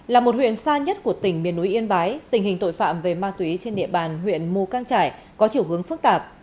là một huyện xa nhất của tỉnh miền núi yên bái tình hình tội phạm về ma túy trên địa bàn huyện mù căng trải có chiều hướng phức tạp